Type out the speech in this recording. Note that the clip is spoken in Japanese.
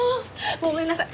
ごめんなさい。